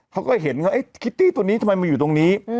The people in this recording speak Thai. เขาก็เห็นเขาไอ้คิตตี้ตัวนี้ทำไมมาอยู่ตรงนี้